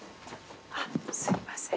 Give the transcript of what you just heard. あっすいません。